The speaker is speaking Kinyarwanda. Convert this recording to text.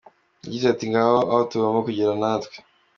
Yagize ati :” Ngaho aho tugomba kugera natwe”.